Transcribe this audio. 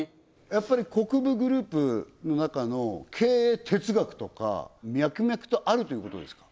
やっぱり国分グループの中の経営哲学とか脈々とあるということですか？